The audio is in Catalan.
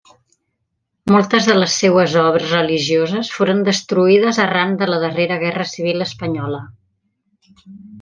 Moltes de les seues obres religioses foren destruïdes arran de la darrera guerra civil espanyola.